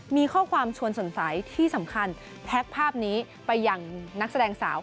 มีข้อความชวนสนใจที่สำคัญแท็กภาพนี้ไปอย่างนักแสดงสาว